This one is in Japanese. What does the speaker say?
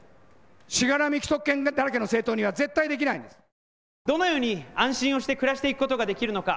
しがらみ既得権だらけの政党にはどのように安心をして暮らしていくことができるのか。